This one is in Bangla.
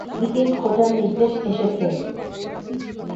এই দিকে খোঁজার নির্দেশ এসেছে।